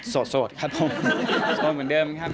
โสดโสดเหมือนเดิมครับ